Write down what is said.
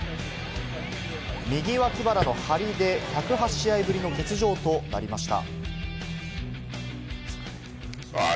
右脇腹の張りで１０８試合ぶりの欠場となりました。